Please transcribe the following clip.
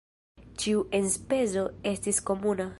Ĉiu enspezo estis komuna.